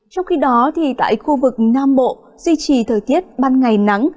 trong khi đó tại khu vực nam bộ duy trì thời tiết ban ngày nắng